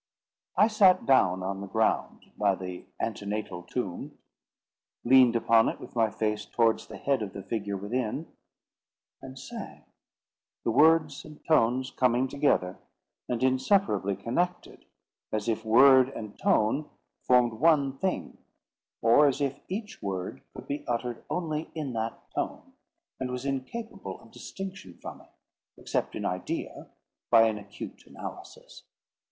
I sat down on the ground by the "antenatal tomb," leaned upon it with my face towards the head of the figure within, and sang—the words and tones coming together, and inseparably connected, as if word and tone formed one thing; or, as if each word could be uttered only in that tone, and was incapable of distinction from it, except in idea, by an acute analysis.